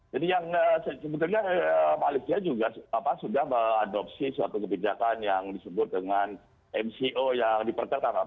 jadi yang sebetulnya malaysia juga sudah mengadopsi suatu kebijakan yang disebut dengan mco yang dipertekan